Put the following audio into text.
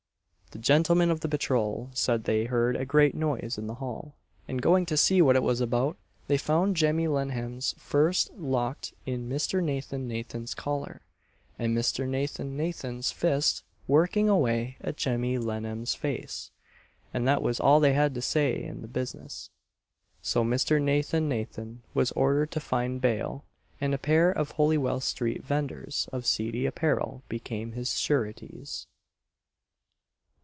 "The gentlemen of the patrol" said they heard a great noise in the hall, and going to see what it was about, they found Jemmy Lennam's fist locked in Mr. Nathan Nathan's collar, and Mr. Nathan Nathan's fist working away at Jemmy Lennam's face and that was all they had to say in the business. So Mr. Nathan Nathan was ordered to find bail, and a pair of Holywell street vendors of seedy apparel became his sureties.